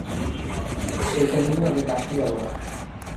সে কহিল, আমি কাশী যাব না।